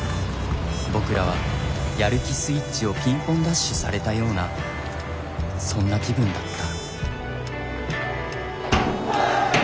僕らはやる気スイッチをピンポンダッシュされたようなそんな気分だった。